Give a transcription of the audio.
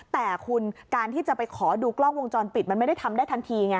แต่คุณการที่จะไปขอดูกล้องวงจรปิดมันไม่ได้ทำได้ทันทีไง